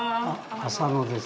浅野です。